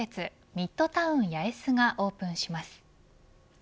ミッドタウン八重洲がオープンします。